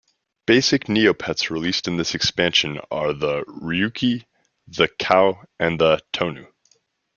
Basic Neopets released in this expansion are the Ruki, the Kau, and the Tonu.